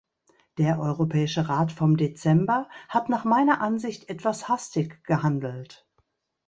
Der Europäische Rat vom Dezember hat nach meiner Ansicht etwas hastig gehandelt.